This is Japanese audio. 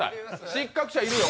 失格者いるよ。